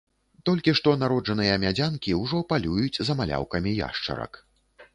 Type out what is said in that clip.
Толькі што народжаныя мядзянкі ўжо палююць за маляўкамі яшчарак.